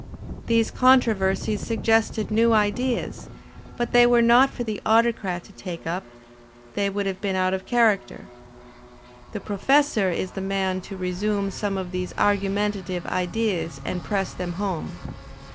These controversies suggested new ideas, but they were not for the Autocrat to take up; they would have been out of character. The Professor is the man to resume some of these argumentative ideas and press them home.